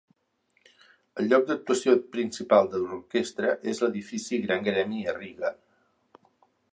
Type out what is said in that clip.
El lloc d'actuació principal de l'orquestra és l'edifici Gran Gremi a Riga.